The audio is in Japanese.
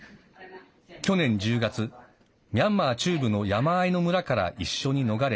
去年１０月ミャンマー中部の山あいの村から一緒に逃れ